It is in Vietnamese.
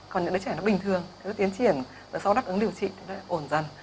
còn những đứa trẻ bình thường tiến triển sau đáp ứng điều trị ổn dần